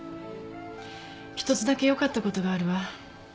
一つだけよかった事があるわ。